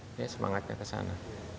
ini semangatnya ke sana